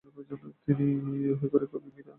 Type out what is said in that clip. তিনি অহিগুরের কবি মীর আলি শির নাভাই এর সাথে পরিচিত হন।